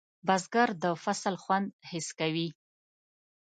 بزګر د فصل خوند حس کوي